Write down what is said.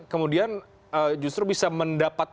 kemudian justru bisa mendapat